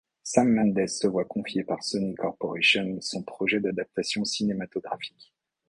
Sam Mendes se voit confier par Sony Corporation son projet d'adaptation cinématographique.